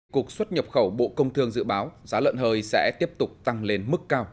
cục xuất nhập khẩu bộ công thương dự báo giá lợn hơi sẽ tiếp tục tăng lên mức cao